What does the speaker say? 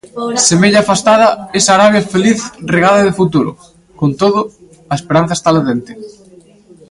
Semella afastada esa Arabia feliz regada de futuro; con todo, a esperanza está latente.